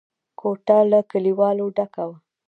کوټه له کليوالو ډکه وه.